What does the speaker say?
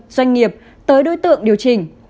doanh nghiệp tới đối tượng điều chỉnh